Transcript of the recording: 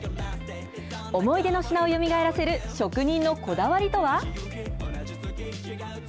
思い出の品をよみがえらせる職人のこだわりとは？